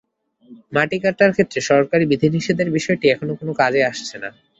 মাটি কাটার ক্ষেত্রে সরকারি বিধিনিষেধের বিষয়টি এখানে কোনো কাজে আসছে না।